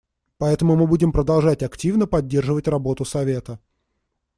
Поэтому мы будем продолжать активно поддерживать работу Совета.